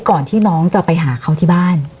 ก่อนที่น้องจะไปหาเขาที่บ้าน